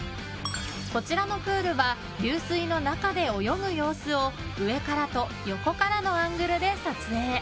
こちらのプールは流水の中で泳ぐ様子を上からと横からのアングルで撮影。